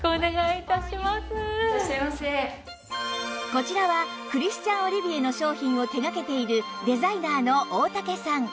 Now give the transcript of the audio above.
こちらはクリスチャン・オリビエの商品を手掛けているデザイナーの大武さん